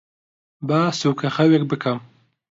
با سووکەخەوێک بکەم.